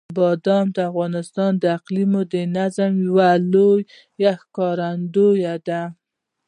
بادام د افغانستان د اقلیمي نظام یوه لویه ښکارندوی ده.